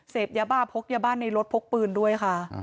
เสพยาบ้าพกยาบ้านในรถพกปืนด้วยค่ะ